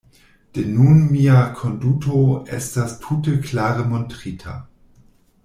De nun mia konduto estas tute klare montrita.